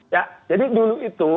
ya jadi dulu itu